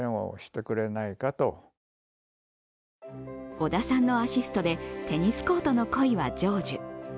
織田さんのアシストでテニスコートの恋は成就。